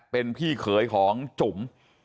เป็นพี่เขยของจุ๋ม